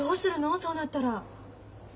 そうなったら。